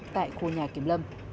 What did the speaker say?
tại khu nhà kiểm lâm